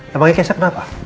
yang panggil keisha kenapa